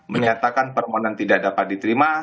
menyatakan permohonan tidak dapat diterima